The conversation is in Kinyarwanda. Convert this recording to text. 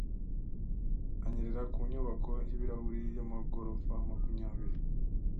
Anyerera ku nyubako y’ibirahure y’amagorofa makumyabiri